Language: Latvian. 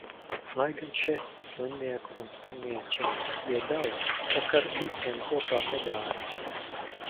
Lai gan še slimnieku un slimnieču bija daudz, tak ar visiem kopā negāju.